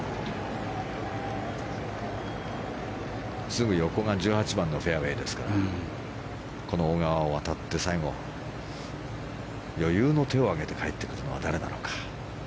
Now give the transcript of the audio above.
すぐ横が１８番のフェアウェーですからこの小川を渡って最後、余裕の手を上げて帰ってくるのは誰なのか。